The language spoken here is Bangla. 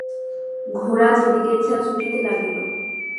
ঘোড়া যে দিকে ইচ্ছা ছুটিতে লাগিল।